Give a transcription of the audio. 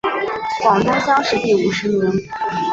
广东乡试第五十名。